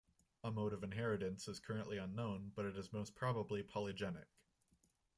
A mode of inheritance is currently unknown, but it is most probably polygenic.